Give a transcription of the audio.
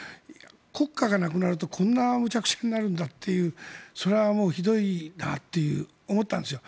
国家がなくなるとこんなに無茶苦茶になるんだというそれはひどいなと思ったんですよ。